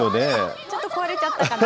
ちょっと壊れちゃったかな。